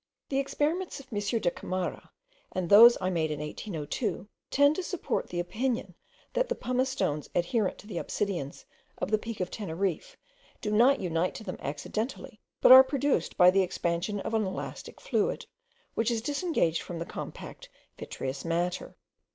The experiments of M. da Camara, and those I made in 1802, tend to support the opinion, that the pumice stones adherent to the obsidians of the Peak of Teneriffe do not unite to them accidentally, but are produced by the expansion of an elastic fluid, which is disengaged from the compact vitreous matter.